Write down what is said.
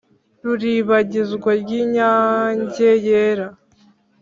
Ruribagizwa rw' inyange yera